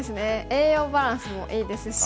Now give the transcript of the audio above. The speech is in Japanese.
栄養バランスもいいですし。